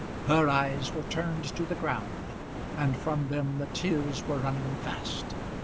Her eyes were turned to the ground, and from them the tears were running fast.